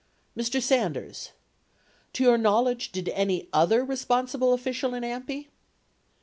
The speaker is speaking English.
Mr. Sanders. To your knowledge, did any other responsible official in AMPI